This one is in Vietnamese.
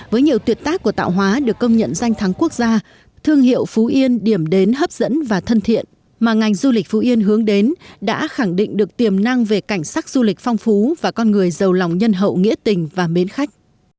với nhiều tuyệt tác của tạo hóa được công nhận danh thắng quốc gia thương hiệu phú yên điểm đến hấp dẫn và thân thiện mà ngành du lịch phú yên hướng đến đã khẳng định được tiềm năng về cảnh sắc du lịch phong phú và con người giàu lòng nhân hậu nghĩa tình và mến khách